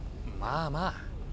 まあまあ。